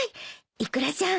イクラちゃん